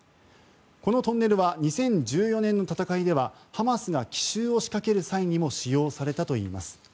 このトンネルは２０１４年の戦いではハマスが奇襲を仕掛ける際にも使用されたといいます。